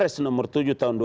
jadi kalau kita tidak punya